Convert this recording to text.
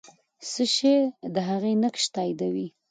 څه شی د هغې نقش تاییدوي؟